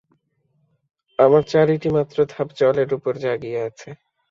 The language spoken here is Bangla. আমার চারিটিমাত্র ধাপ জলের উপরে জাগিয়া আছে।